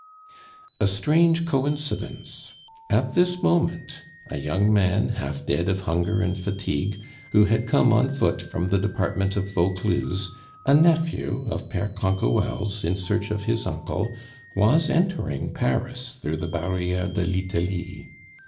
A strange coincidence! At this moment a young man, half dead of hunger and fatigue, who had come on foot from the department of Vaucluse a nephew of Pere Canquoelle's in search of his uncle, was entering Paris through the Barriere de l'Italie.